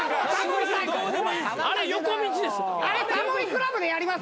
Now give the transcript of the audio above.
あれ横道です。